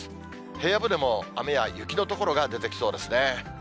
平野部でも、雨や雪の所が出てきそうですね。